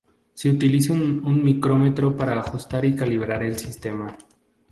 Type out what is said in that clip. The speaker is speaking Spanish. Se utiliza un micrómetro para ajustar y calibrar el sistema.